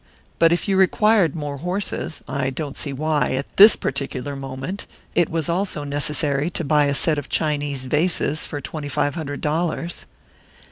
But if you required more horses, I don't see why, at this particular moment, it was also necessary to buy a set of Chinese vases for twenty five hundred dollars."